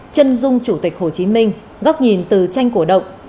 chân dung chủ tịch hồ chí minh góc nhìn từ tranh cổ động